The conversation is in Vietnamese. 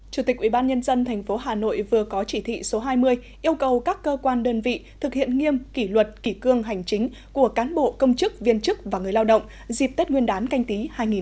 chủ tịch ubnd tp hà nội vừa có chỉ thị số hai mươi yêu cầu các cơ quan đơn vị thực hiện nghiêm kỷ luật kỷ cương hành chính của cán bộ công chức viên chức và người lao động dịp tết nguyên đán canh tí hai nghìn hai mươi